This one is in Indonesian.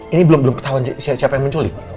ini belum ketahuan siapa yang menculik